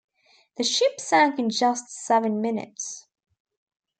The ship sank in just seven minutes.